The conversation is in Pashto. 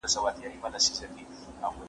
زه به اوږده موده مېوې وچولي وم؟